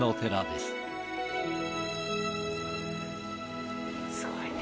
すごいね。